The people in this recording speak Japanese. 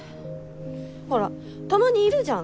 ほらたまにいるじゃん。